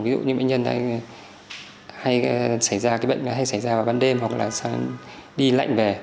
ví dụ như bệnh nhân hay xảy ra cái bệnh hay xảy ra vào ban đêm hoặc là đi lạnh về